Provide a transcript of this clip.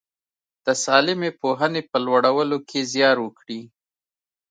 د سالمې پوهنې په لوړولو کې زیار وکړي.